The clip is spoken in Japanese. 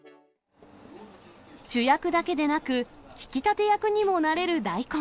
主役だけでなく、引き立て役にもなれる大根。